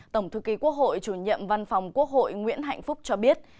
tổng thư ký quốc hội chủ nhiệm văn phòng quốc hội nguyễn hạnh phúc cho biết